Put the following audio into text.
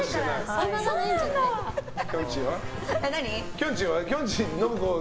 きょんちぃは？